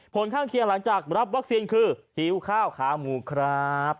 ผลข้างเคียงหลังจากรับวัคซีนคือหิวข้าวขาหมูครับ